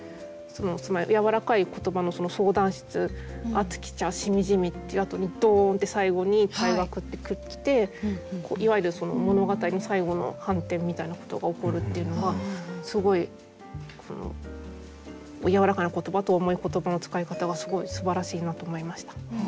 やわらかい言葉の「相談室」「熱き茶」「しみじみ」っていうあとにドーンって最後に「退学」って来ていわゆるその物語の最後の反転みたいなことが起こるっていうのがすごいその「やわらかな言葉」と「重い言葉」の使い方がすごいすばらしいなと思いました。